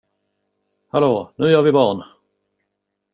Hallå, nu gör vi barn!